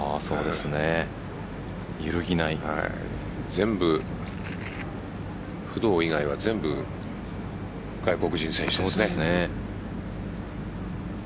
全部、不動以外は全部外国人選手ですね。